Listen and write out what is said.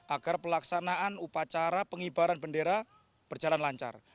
agar pelaksanaan upacara pengibaran bendera berjalan lancar